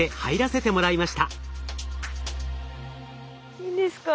いいんですか？